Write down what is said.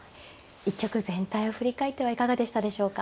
一局全体を振り返ってはいかがでしたでしょうか。